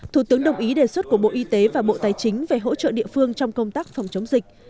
thủ tướng đồng ý đề xuất của bộ y tế và bộ tài chính về hỗ trợ địa phương trong công tác phòng chống dịch